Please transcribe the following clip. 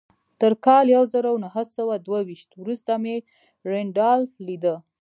تر کال يو زر و نهه سوه دوه ويشت وروسته مې رينډالف ليده.